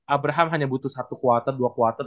abraham hanya butuh satu quarter dua quarter